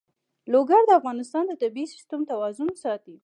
لوگر د افغانستان د طبعي سیسټم توازن ساتي.